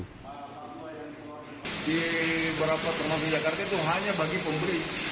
fakta ini diperlukan untuk lebih serius menangani